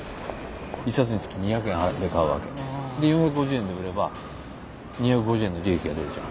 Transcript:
１冊につき２００円払って買うわけ。で４５０円で売れば２５０円の利益が出るじゃん。